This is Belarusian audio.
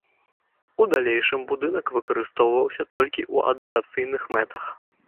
У далейшым будынак выкарыстоўваўся толькі ў адукацыйных мэтах.